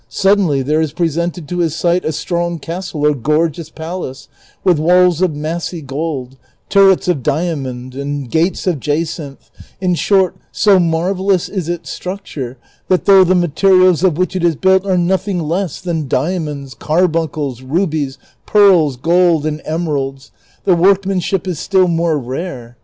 Suddenly there is presented to his sight a strong castle or gorgeous palace Avith Avails of massy gold, turrets of diamond and gates of jacinth ; in short, so marvellous is its structure that though the materials of which it is l)nilt are nothing less than diamonds, carbuncles, rubies, pearls, gold, and emeralds, the Avorknuinship is still more rare.